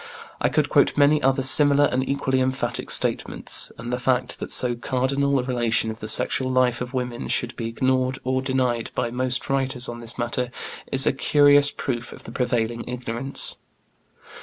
I could quote many other similar and equally emphatic statements, and the fact that so cardinal a relationship of the sexual life of women should be ignored or denied by most writers on this matter, is a curious proof of the prevailing ignorance.